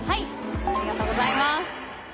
ありがとうございます。